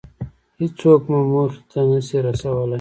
هېڅوک مو موخې ته نشي رسولی.